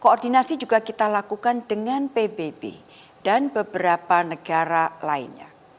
koordinasi juga kita lakukan dengan pbb dan beberapa negara lainnya